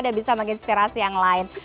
dan bisa menginspirasi yang lain